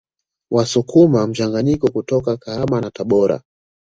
Wasukuma mchanganyiko kutoka Kahama na Tabora